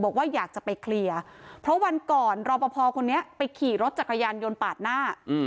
บอกว่าอยากจะไปเคลียร์เพราะวันก่อนรอปภคนนี้ไปขี่รถจักรยานยนต์ปาดหน้า